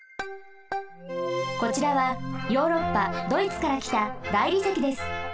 こちらはヨーロッパドイツからきた大理石です。